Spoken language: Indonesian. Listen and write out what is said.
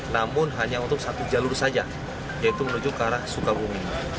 namun hanya untuk satu jalur saja yaitu menuju ke arah sukabumi